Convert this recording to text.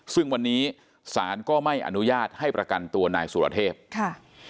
ซึ่งวันนี้ศาลก็ไม่อนุญาตให้ประกันตัวนายสุรเทพค่ะ